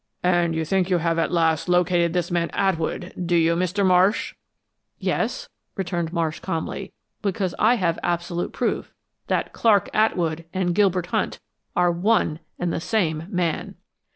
"And you think you have at last located this man Atwood do you, Mr. Marsh?" "Yes," returned Marsh, calmly, "because I have absolute proof that CLARK ATWOOD AND GILBERT HUNT ARE ONE AND THE SAME MAN!"